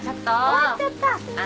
終わっちゃった。